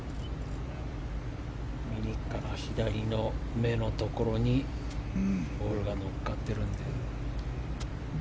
右から左の目のところにボールが乗っかってる。